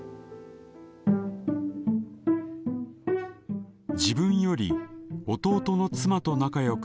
自分より弟の妻と仲良くする母。